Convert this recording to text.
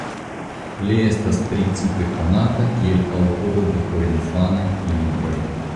Li estas precipe konata kiel aŭtoro de porinfanaj libroj.